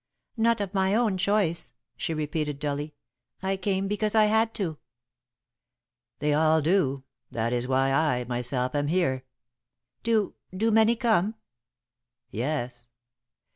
"Not of my own choice," she repeated, dully. "I came because I had to." "They all do. That is why I myself am here." "Do do many come?" "Yes."